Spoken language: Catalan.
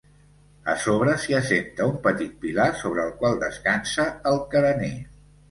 A sobre s'hi assenta un petit pilar sobre el qual descansa el carener.